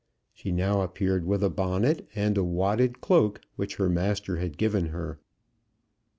She now appeared with a bonnet, and a wadded cloak which her master had given her.